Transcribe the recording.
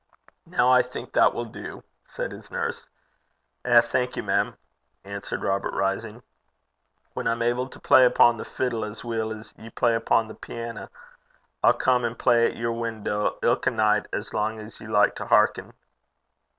'Now, I think that will do,' said his nurse. 'Eh, thank ye, mem!' answered Robert, rising. 'Whan I'm able to play upo' the fiddle as weel 's ye play upo' the piana, I'll come and play at yer window ilka nicht, as lang 's ye like to hearken.'